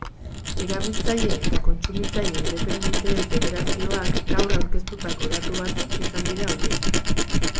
Erabiltzaile eta kontsumitzaile independenteen federazioak gaur aurkeztutako datu batzuk izan dira horiek.